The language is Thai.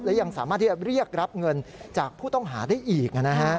และยังสามารถที่จะเรียกรับเงินจากผู้ต้องหาได้อีก